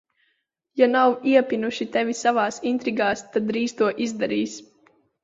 Ja nav iepinuši tevi savās intrigās, tad drīz to izdarīs.